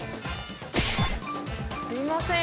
すいません